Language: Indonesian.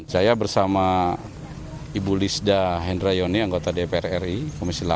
saya bersama ibu lista hendra yoni anggota dpr ri komisi delapan